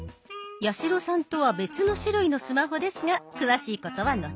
八代さんとは別の種類のスマホですが詳しいことは後ほど。